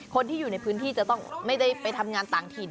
คนที่อยู่ในพื้นที่จะต้องไม่ได้ไปทำงานต่างถิ่น